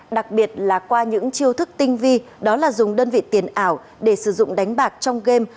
đặc biệt là qua những chiêu thức tinh vi đó là dùng đơn vị tiền ảo để sử dụng đánh bạc trong game